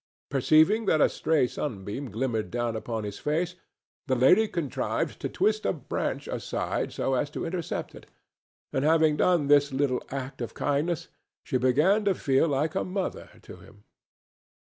Perceiving that a stray sunbeam glimmered down upon his face, the lady contrived to twist a branch aside so as to intercept it, and, having done this little act of kindness, she began to feel like a mother to him.